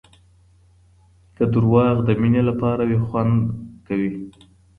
که دروغ د مینې لپاره وي خوند ورکوي.